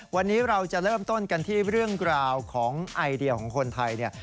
วันนี้เราจะเริ่มต้นกันที่เรื่องราวของไอเดียของคนไทยเนี่ย